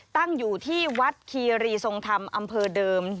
ตั้งอยู่ที่วัดคีรีทรงธรรมอำเภอเดิม